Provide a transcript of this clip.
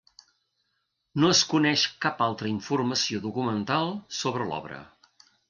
No es coneix cap altra informació documental sobre l'obra.